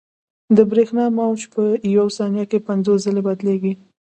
د برېښنا موج په یوه ثانیه کې پنځوس ځلې بدلېږي.